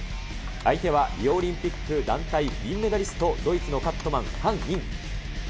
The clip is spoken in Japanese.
相手はリオオリンピック団体銀メダリスト、ドイツのカットマン、ハン・イン。